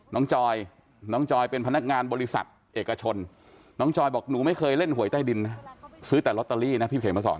จอยน้องจอยเป็นพนักงานบริษัทเอกชนน้องจอยบอกหนูไม่เคยเล่นหวยใต้ดินนะซื้อแต่ลอตเตอรี่นะพี่เขียนมาสอน